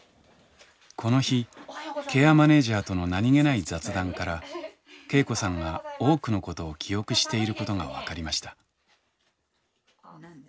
この日ケアマネージャーとの何気ない雑談から恵子さんが多くのことを記憶していることが分かりました。